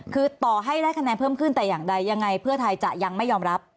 คือต่อให้ได้คะแนนเพิ่มขึ้นแต่อย่างใดยังไงเพื่อไทยจะยังไม่ยอมรับ